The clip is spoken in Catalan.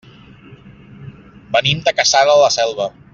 Venim de Cassà de la Selva.